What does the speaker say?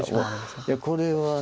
いやこれは。